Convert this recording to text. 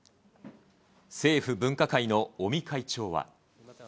政府分科会の尾身会長は。